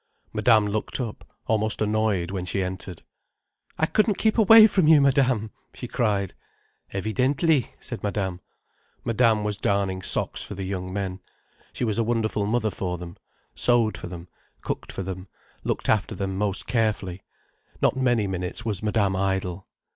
Madame looked up, almost annoyed, when she entered. "I couldn't keep away from you, Madame," she cried. "Evidently," said Madame. Madame was darning socks for the young men. She was a wonderful mother for them, sewed for them, cooked for them, looked after them most carefully. Not many minutes was Madame idle.